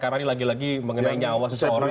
karena ini lagi lagi mengenai nyawa seseorang